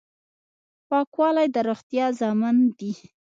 پاکوالی د روغتیا ضامن دی.